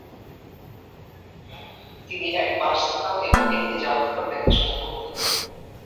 তিনি এক বাসস্থান এবং একটি জাদুঘর দেখাশোনা করতেন।